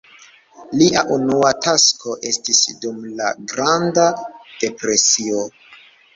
Lia unua tasko esti dum la Granda Depresio.